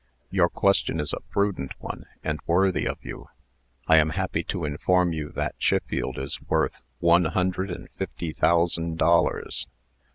"Your question is a prudent one, and worthy of you. I am happy to inform you that Chiffield is worth one hundred and fifty thousand dollars."